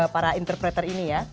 para interpreter ini ya